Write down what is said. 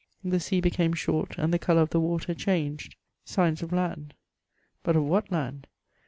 The sea became short, and the colour of the water changed, signs of land ; but of what land